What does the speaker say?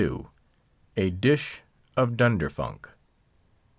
A DISH OF DUNDERFUNK.